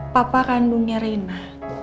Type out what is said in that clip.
papa kandungnya rena